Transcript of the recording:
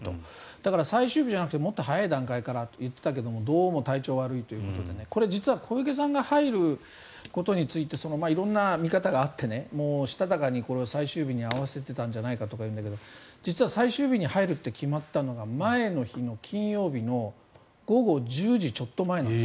だから、最終日じゃなくてもっと早い段階からと言っていたけどどうも体調が悪いということで実は小池さんが入ることについて色んな見方があってしたたかにこれは最終日に合わせてたんじゃないかとかいうんだけど実は最終日に入ると決まったのが前の日、金曜日の午後１０時ちょっと前なんです。